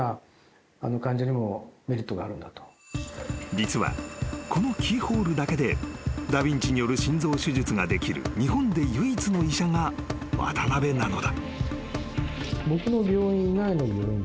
［実はこのキーホールだけでダビンチによる心臓手術ができる日本で唯一の医者が渡邊なのだ］